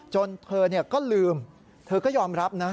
เธอก็ลืมเธอก็ยอมรับนะ